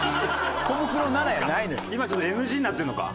今ちょっとＮＧになってるのか。